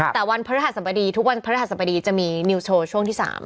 แต่วันภัยราชสบดีทุกวันภัยราชสบดีจะมีนิวโชว์ช่วงที่๓